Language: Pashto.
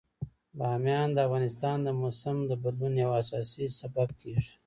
بامیان د افغانستان د موسم د بدلون یو اساسي سبب کېږي.